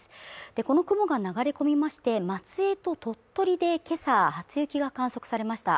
この雲が流れ込みまして松江と鳥取でけさ初雪が観測されました